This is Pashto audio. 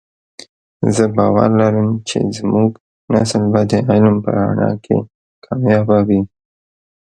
زه باور لرم چې زمونږ نسل به د علم په رڼا کې کامیابه وی